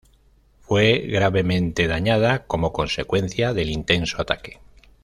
Fue gravemente dañada como consecuencia del intenso ataque.